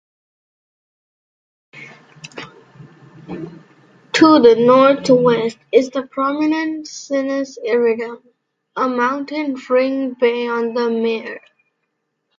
To the northwest is the prominent Sinus Iridum, a mountain-ringed bay on the mare.